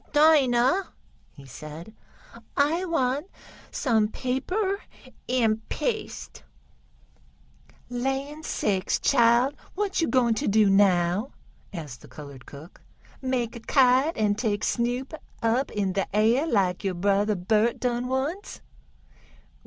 "Dinah," he said, "I want some paper and paste." "Land sakes, chile! what yo' gwine t' do now?" asked the colored cook. "Make a kite, an' take Snoop up in de air laik yo' brother Bert done once?"